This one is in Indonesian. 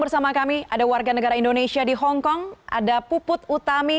bersama kami ada warga negara indonesia di hongkong ada puput utami